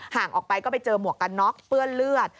ห่างออกไปก็ไปเจอหมวกกันน็อกเปื้อนเลือด